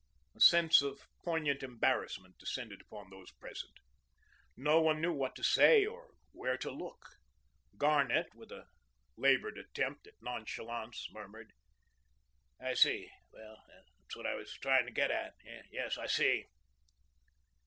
A sense of poignant embarrassment descended upon those present. No one knew what to say or where to look. Garnett, with a laboured attempt at nonchalance, murmured: "I see. Well, that's what I was trying to get at. Yes, I see."